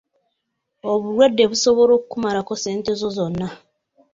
Obulwadde busobola okukumalako ssente zo zonna.